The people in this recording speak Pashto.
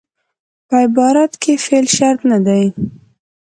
په عبارت کښي فعل شرط نه دئ.